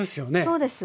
そうです。